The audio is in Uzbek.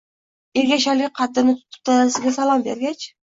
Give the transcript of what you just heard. Ergashali qaddini tutib, dadasiga salom bergach.